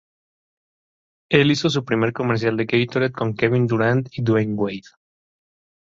Él hizo su primer comercial de Gatorade con Kevin Durant y Dwyane Wade.